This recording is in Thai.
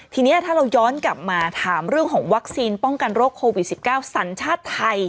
ทีนี้ถ้าเราย้อนกลับมาถามเรื่องของวัคซีนป้องกันโรคโควิด๑๙สัญชาติไทย